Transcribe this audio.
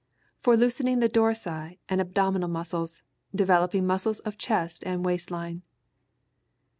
_For loosening the dorsi and abdominal muscles, developing muscles of chest and waist line.